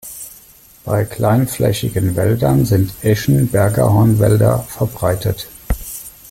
Bei kleinflächigen Wäldern sind Eschen-Bergahorn-Wälder verbreitet.